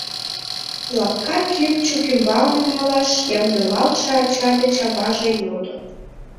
— лапка кӱпчык ӱмбалне малаш ямдылалтше ача деч аваже йодо.